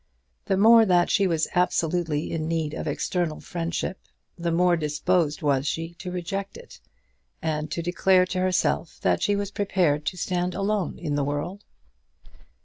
The more that she was absolutely in need of external friendship, the more disposed was she to reject it, and to declare to herself that she was prepared to stand alone in the world.